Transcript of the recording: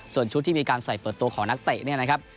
ส่วนชุดที่มีการใส่เปิดตัวของนักเตะ